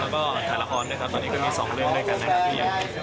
แล้วก็ถ่ายละครด้วยครับตอนนี้ก็มี๒เรื่องด้วยกันนะครับ